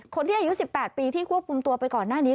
คนที่อายุ๑๘ปีที่ควบคุมตัวไปก่อนหน้านี้